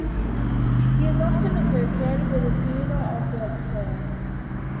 He is often associated with the Theatre of the Absurd.